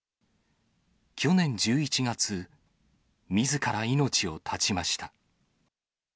去年１１月、みずから命を絶ちました。